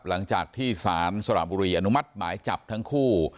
หลังจากที่สารสระบุรีอนุมัติหมายจับทั้งคู่